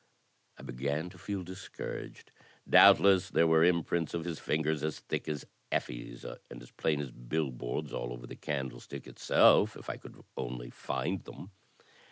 I began to feel discouraged. Doubtless there were imprints of his fingers as thick as ffies and as plain as billboards all over the candlestick itself, if I could only find them.